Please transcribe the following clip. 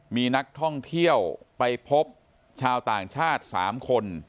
มีนักท่องเที่ยวไปพบชาวต่างชาติ๓คน